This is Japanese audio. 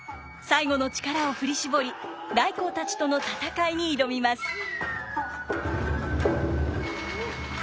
最後の力を振り絞り頼光たちとの戦いに挑みます。